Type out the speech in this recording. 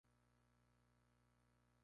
Weir entonces los hace prisioneros.